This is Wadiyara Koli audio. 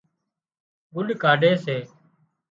ڳُڏ ڪاڍي سي